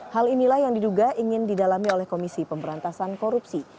hal inilah yang diduga ingin didalami oleh komisi pemberantasan korupsi